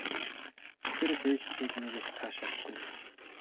Тэр лекцийг нэг их таашаадаггүй байв.